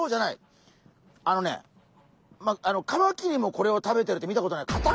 あのねカマキリもこれを食べてるって見たことない。